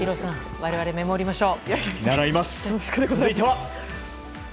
我々、メモりましょう。